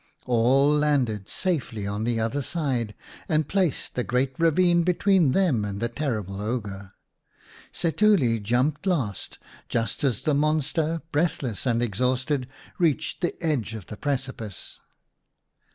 All landed safely on the other side, and placed the great ravine between them and the terrible ogre. Setuli jumped last, just as the monster, breathless and exhausted, reached the edge of the precipice.